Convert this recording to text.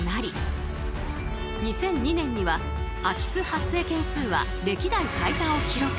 ２００２年には空き巣発生件数は歴代最多を記録。